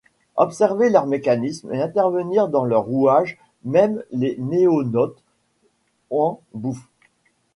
observer leur mécanismes et intervenir dans leurs rouages Même les NoéNautes en bouffent.